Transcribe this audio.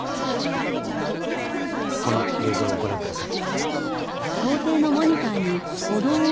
この映像をご覧ください。